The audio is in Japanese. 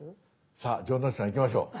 さあ城之内さんいきましょう。